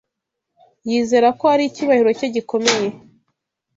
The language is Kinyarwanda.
Yizera ko ari icyubahiro cye gikomeye